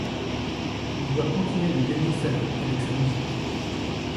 Il doit continuer de gagner sa vie avec sa musique.